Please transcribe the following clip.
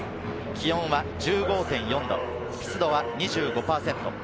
気温は１５．４度、湿度は２５％。